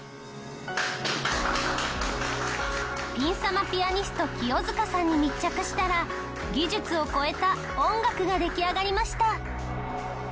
ピン様ピアニスト清塚さんに密着したら技術を超えた音楽が出来上がりました。